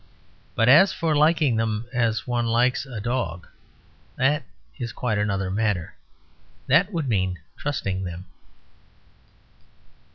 But, as for liking them, as one likes a dog that is quite another matter. That would mean trusting them.